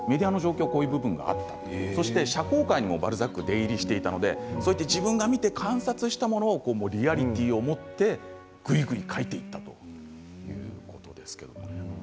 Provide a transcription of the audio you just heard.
こういう部分があったとそして社交界もバルザックが出入りしていたので自分が見て観察したものをリアリティーを持ってぐいぐい書いていったということです。